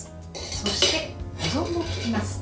そして保存もききます。